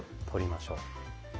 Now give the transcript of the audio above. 取りましょう。